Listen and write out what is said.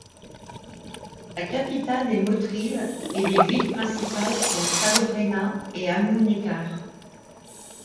Sa capitale est Motril et les villes principales sont Salobreña et Almuñécar.